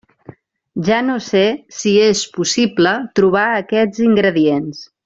Ja no sé si és possible trobar aquests ingredients.